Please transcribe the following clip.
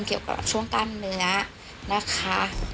เกี่ยวกับช่วงกล้ามเนื้อนะคะ